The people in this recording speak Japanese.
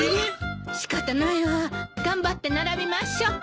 仕方ないわ頑張って並びましょ。